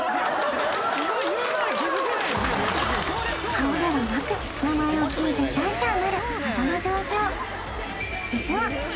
顔ではなく名前を聞いてキャーキャーなる謎の状況